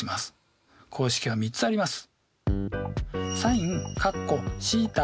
公式は３つあります。